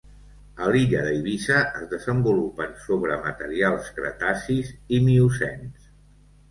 A l'illa d'Eivissa es desenvolupen sobre materials cretacis i miocens.